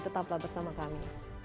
tetaplah bersama kami